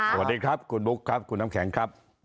สวัสดีครับคุณบุ๊คครับคุณน้ำแข็งครับ